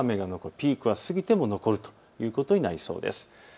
ピークは過ぎても残るということになりそうです。